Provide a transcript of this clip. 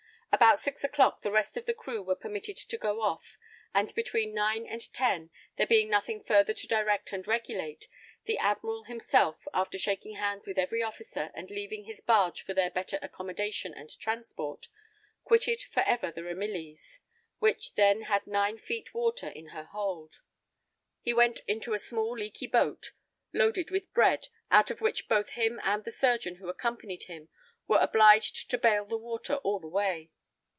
About six o'clock, the rest of the crew were permitted to go off, and between nine and ten, there being nothing further to direct and regulate, the admiral himself, after shaking hands with every officer, and leaving his barge for their better accommodation and transport, quitted forever the Ramillies, which had then nine feet water in her hold. He went into a small leaky boat, loaded with bread, out of which both him and the surgeon who accompanied him were obliged to bail the water all the way.